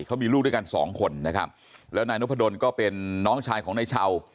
เขามีลูกด้วยกันสองคนนะครับแล้วนายนพดลก็เป็นน้องชายของนายเช่า